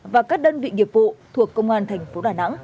và các đơn vị nghiệp vụ thuộc công an thành phố đà nẵng